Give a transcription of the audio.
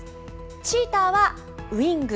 チーターはウイング。